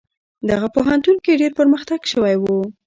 دغه پوهنتون کې ډیر پرمختګ شوی و.